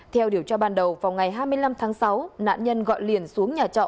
theo điều tra ban đầu vào ngày hai mươi năm tháng sáu nạn nhân gọi liền xuống nhà trọ